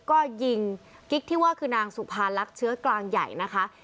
ก็ยิงกิ๊กที่ว่าคือนางสุภาลักษณ์เชื้อกลางใหญ่นะคะ